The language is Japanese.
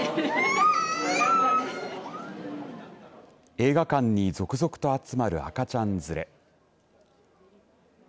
映画館に続々と集まる赤ちゃん連れ。